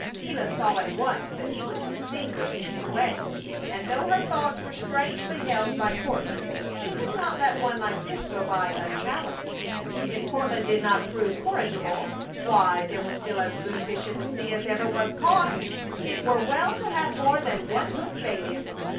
Gila saw at once that he was distinguished in his way, and though her thoughts were strangely held by Courtland she could not let one like this go by unchallenged. If Courtland did not prove corrigible, why, there was still as good fish in the sea as ever was caught. It were well to have more than one hook baited.